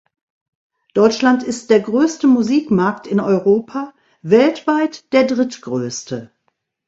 Deutschland ist der größte Musikmarkt in Europa, weltweit der drittgrößte.